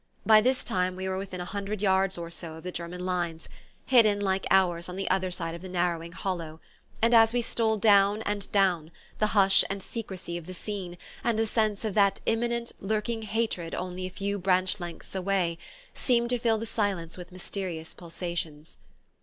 By this time we were within a hundred yards or so of the German lines, hidden, like ours, on the other side of the narrowing hollow; and as we stole down and down, the hush and secrecy of the scene, and the sense of that imminent lurking hatred only a few branch lengths away, seemed to fill the silence with mysterious pulsations.